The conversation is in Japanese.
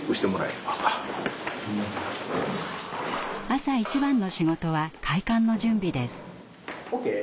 朝一番の仕事は開館の準備です。